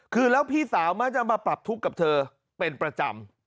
คือแล้วพี่สาวมักจะมาปรับทุกข์กับเธอเป็นประจำ